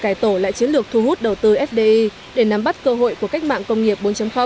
cải tổ lại chiến lược thu hút đầu tư fdi để nắm bắt cơ hội của cách mạng công nghiệp bốn